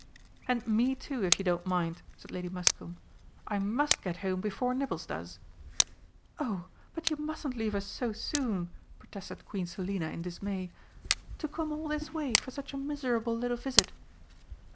"And me, too, if you don't mind," said Lady Muscombe. "I must get home before Nibbles does." "Oh, but you mustn't leave us so soon!" protested Queen Selina in dismay. "To come all this way for such a miserable little visit!"